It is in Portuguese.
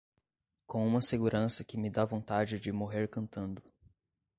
com uma segurança que me dá vontade de morrer cantando.